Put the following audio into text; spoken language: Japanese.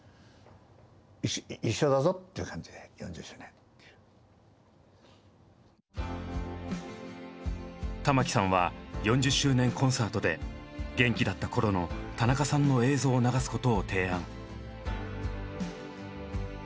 ここもまたあの玉置さんは４０周年コンサートで元気だったころの田中さんの映像を流すことを提案。